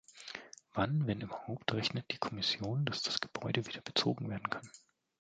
Wann wenn überhaupt rechnet die Kommission, dass das Gebäude wieder bezogen werden kann?